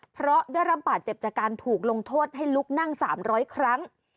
เพราะได้รับบาดเจ็บจากการถูกลงโทษให้ลุกนั่ง๓๐๐ครั้ง